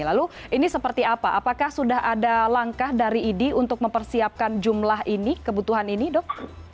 lalu ini seperti apa apakah sudah ada langkah dari idi untuk mempersiapkan jumlah ini kebutuhan ini dok